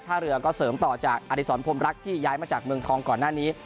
เรือก็เสริมต่อจากอดิษรพรมรักที่ย้ายมาจากเมืองทองก่อนหน้านี้